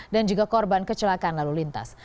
dan juga korban kecelakaan lalu lintas